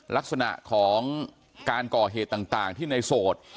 ลักษณะของการก่อเหตุต่างที่ในโสด